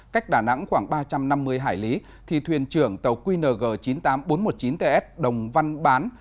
cách đà nẵng khoảng ba trăm năm mươi hải lý thì thuyền trưởng tàu qng chín mươi tám nghìn bốn trăm một mươi chín ts đồng văn bán